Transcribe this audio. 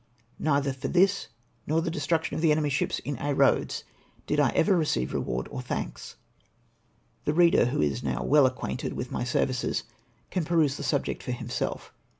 Neither for this nor the destruction of tlie enemy's ships in Aix Eoads, did I ever receive reward or thanks. The reader, who is now well acquainted with my services, can pursue the subject for himself.